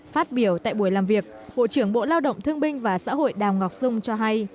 phát biểu tại buổi làm việc bộ trưởng bộ lao động thương binh và xã hội đào ngọc dung cho hay